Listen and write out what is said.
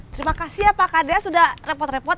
terima kasih ya pak kadria sudah repot repot